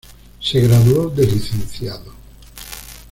Se graduó de Lic.